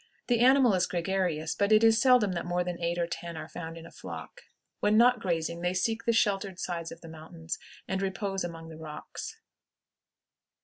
The animal is gregarious, but it is seldom that more than eight or ten are found in a flock. When not grazing they seek the sheltered sides of the mountains, and repose among the rocks.